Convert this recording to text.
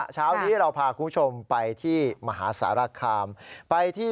ช้านี้เราพากลุงชมไปที่มหาสาระคำไปที่